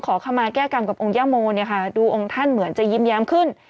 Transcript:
ขอขมาแก้กรรมกับองค์ย่าโมเนี่ยค่ะดูองค์ท่านเหมือนจะยิ้มแย้มขึ้น